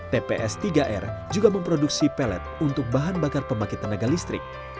tps tiga r juga memproduksi pelet untuk bahan bakar pembangkit tenaga listrik